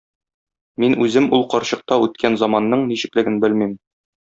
Мин үзем ул карчыкта үткән заманның ничеклеген белмим.